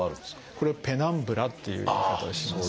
これは「ペナンブラ」っていう言い方をします。